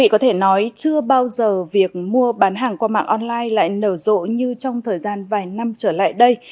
chưa bao giờ việc mua bán hàng qua mạng online lại nở rộ như trong thời gian vài năm trở lại đây